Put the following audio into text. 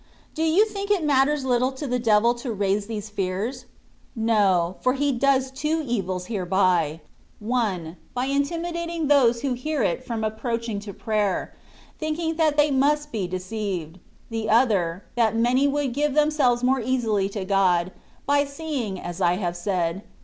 Do you think it matters little to the devil to raise these fears? No, for he does two evils hereby : one, by intimidating those who hear it from approaching to prayer, thinking that they also must be deceived; the other, that many would give themselves more easily to God, by seeing (as I have said).